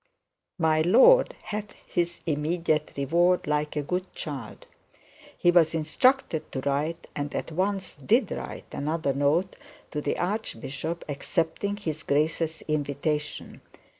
'My lord,' had his immediate reward, like a good child. He was instructed to write and at once did write another note to the archbishop accepting his grace's invitation.